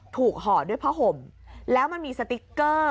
ห่อด้วยผ้าห่มแล้วมันมีสติ๊กเกอร์